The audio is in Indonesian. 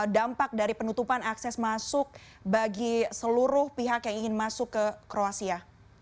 dampak dari penutupan akses masuk bagi seluruh pihak yang ingin masuk ke kroasia